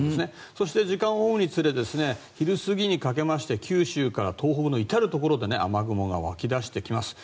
そして、時間を追うにつれ昼過ぎにかけて九州から東北の至るところで雨雲が湧き出してきます。